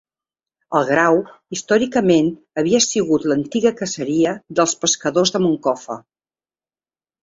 El Grau, històricament havia sigut l'antiga caseria dels pescadors de Moncofa.